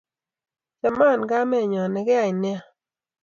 chaman kamenyon nekeyai nea